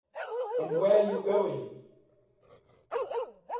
And where are you going?